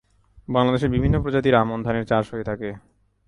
বাংলাদেশে বিভিন্ন প্রজাতির আমন ধানের চাষ হয়ে থাকে।